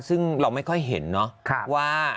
ซึ่งเราไม่ค่อยเห็นเนาะว่า